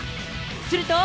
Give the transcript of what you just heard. すると。